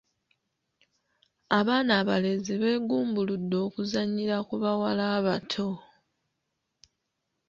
Abaana abalenzi beegumbuludde okuzannyira ku bawala abato.